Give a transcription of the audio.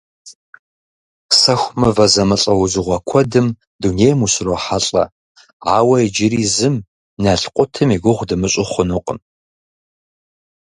Сэху мывэ зэмылӀэужьыгъуэ куэдым дунейм ущрохьэлӀэ, ауэ иджыри зым налкъутым и гугъу дымыщӀу хъункъым.